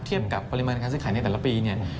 กับปริมาณการซื้อขายในแต่ละปีเนี่ย